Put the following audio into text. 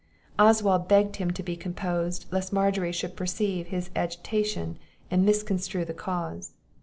Oswald begged him to be composed, lest Margery should perceive his agitation, and misconstrue the cause.